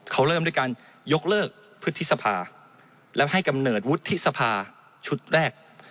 เขาเริ่มด้วยการยกเลิกพฤษภาแล้วให้กำเนิดวุฒิสภาชุดแรก